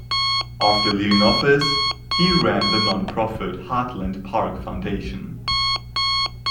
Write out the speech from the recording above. After leaving office, he ran the nonprofit Heartland Park Foundation.